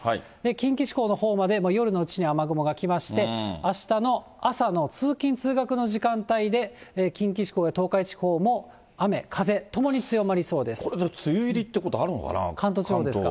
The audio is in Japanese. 近畿地方のほうまで、もう夜のうちに雨雲が来まして、あしたの朝の通勤・通学の時間帯で、近畿地方や東海地方も雨、これ、関東地方ですか？